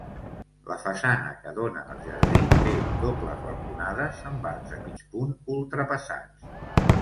La façana que dóna al jardí té dobles balconades amb arcs de mig punt ultrapassats.